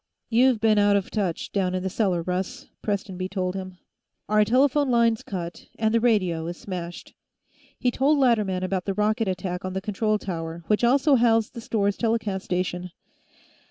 "You've been out of touch, down in the cellar, Russ." Prestonby told him. "Our telephone line's cut, and the radio is smashed." He told Latterman about the rocket attack on the control tower, which also housed the store's telecast station.